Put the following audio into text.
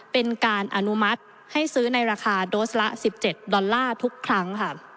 เป็นการอนุมัติให้ซื้อในราคาโดสละ๑๗ดอลลาร์ทุกครั้งค่ะ